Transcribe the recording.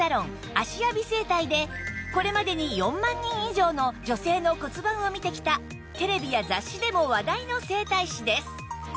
芦屋美整体でこれまでに４万人以上の女性の骨盤を見てきたテレビや雑誌でも話題の整体師です